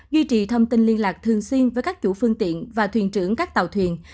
duy trì thông tin liên lạc thường xuyên với các chủ phương tiện và thuyền trưởng các tàu thuyền